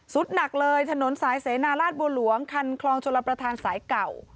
หนักเลยถนนสายเสนาราชบัวหลวงคันคลองชลประธานสายเก่า